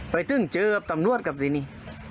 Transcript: ไปเบื่อเจอกับจำนวดแบบนี้